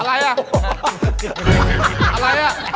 อะไรอะ